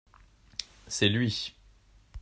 C’est lui.